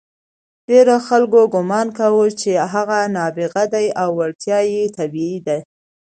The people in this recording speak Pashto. ډېرو خلکو ګمان کاوه چې هغه نابغه دی او وړتیا یې طبیعي ده.